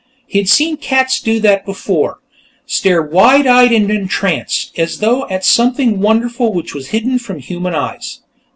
He'd seen cats do that before stare wide eyed and entranced, as though at something wonderful which was hidden from human eyes.